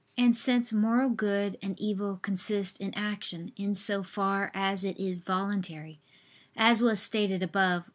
And since moral good and evil consist in action in so far as it is voluntary, as was stated above (A.